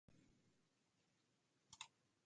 He then attended Oxford University as a Rhodes Scholar.